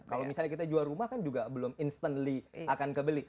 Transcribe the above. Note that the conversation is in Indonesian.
kalau misalnya kita jual rumah kan juga belum instantly akan kebeli